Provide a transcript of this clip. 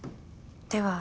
では。